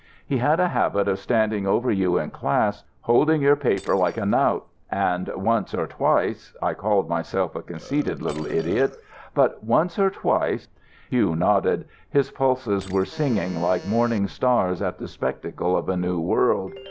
He had a habit of standing over you in class, holding your paper like a knout. And once or twice I called myself a conceited little idiot but once or twice " Hugh nodded. His pulses were singing like morning stars at the spectacle of a new world.